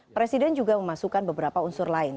presiden juga memasukkan beberapa unsur lain